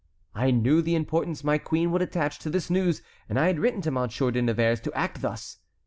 I knew the importance my queen would attach to this news, and I had written to Monsieur de Nevers to act thus.